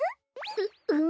ううん。